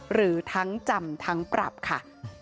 หรือทั้งจำทั้งปรับค่ะ